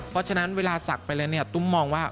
เพราะฉะนั้นเวลาสักไปแล้วตุ้มมองว่า